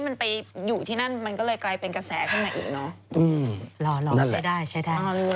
อ่อรู้รออยู่ดูแม่รู้เอาจริง